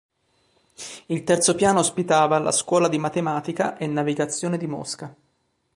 Il terzo piano ospitava la Scuola di matematica e navigazione di Mosca.